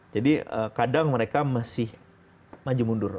jadi kadang mereka masih maju mundur